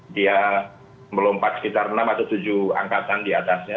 dia melompat sekitar enam atau tujuh angkatan di atasnya